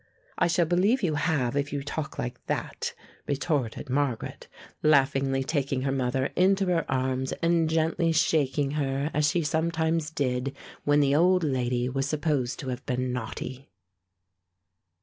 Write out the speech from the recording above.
"I shall believe you have if you talk like that," retorted Margaret, laughingly taking her mother into her arms and gently shaking her, as she sometimes did When the old lady was supposed to have been "naughty."